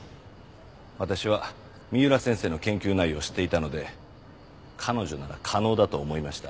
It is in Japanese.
私は三浦先生の研究内容を知っていたので彼女なら可能だと思いました。